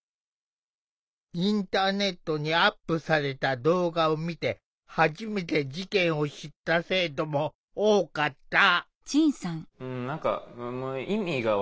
インターネットにアップされた動画を見て初めて事件を知った生徒も多かった。